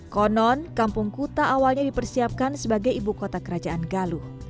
konon kampung kuta awalnya dipersiapkan sebagai ibu kota kerajaan galuh